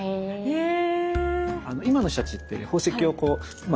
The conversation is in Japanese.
へえ。